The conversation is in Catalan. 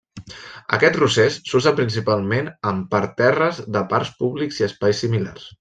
Aquests rosers s'usen principalment en parterres de parcs públics i espais similars.